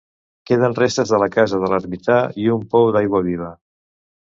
Queden restes de la casa de l'ermità i un pou d'aigua viva.